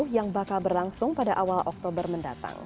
yang bakal berlangsung pada awal oktober mendatang